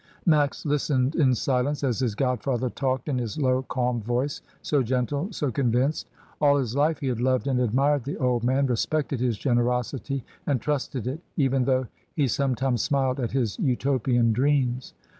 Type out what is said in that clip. ... Max listened in silence as his godfather talked in his low calm voice, so gentle, so convinced. All his life he had loved and admired the old man, respected his generosity, and trusted it, even though he sometimes smiled at his Utopian dreams.